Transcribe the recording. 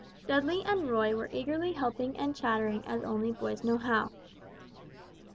Dudley and Roy were eagerly helping and chattering as only boys know how.